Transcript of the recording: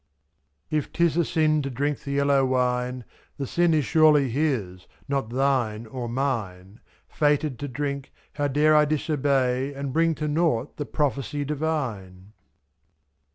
49 If 'tis a sin to drink the yellow wine. The sin is surely His, not thine or mine; 7f* Fated to drink, how dare I disobey — And bring to nought the prophecy divine